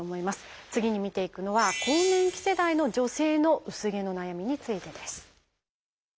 次に見ていくのは更年期世代の女性の薄毛の悩みについてです。